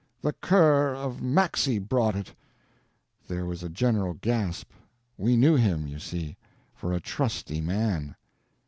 "The cure of Maxey brought it." There was a general gasp. We knew him, you see, for a trusty man.